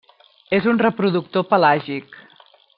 És un reproductor pelàgic.